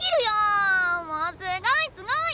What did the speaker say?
もうすごいすごい！